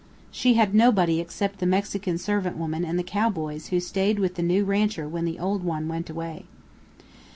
She had nobody except the Mexican servant woman and the cowboys who stayed with the new rancher when the old one went away.